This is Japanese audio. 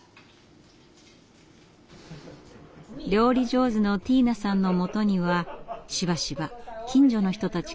料理上手のティーナさんのもとにはしばしば近所の人たちからお裾分けが届きます。